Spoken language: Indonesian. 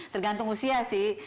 tergantung usia sih